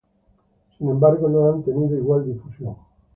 Sin embargo no han tenido igual difusión.